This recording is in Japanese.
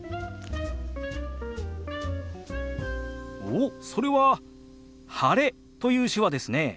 おっそれは「晴れ」という手話ですね。